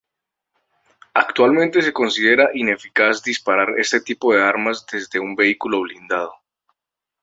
Actualmente se considera ineficaz disparar este tipo de armas desde un vehículo blindado.